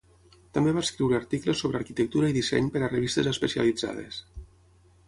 També va escriure articles sobre arquitectura i disseny per a revistes especialitzades.